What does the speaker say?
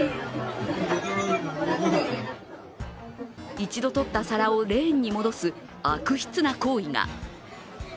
一度取った皿をレーンに戻す悪質な行為が。